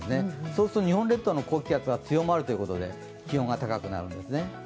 そうすると日本列島の高気圧が強まるということで気温が高くなるんですね。